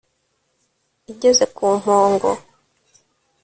Igeze ku mpongo